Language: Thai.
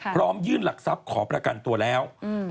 พร้อมยื่นหลักทรัพย์ขอประกันตัวแล้ว